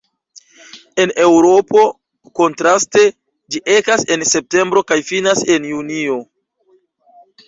En Eŭropo, kontraste, ĝi ekas en septembro kaj finas en junio.